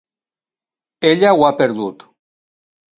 Ella ho ha perdut!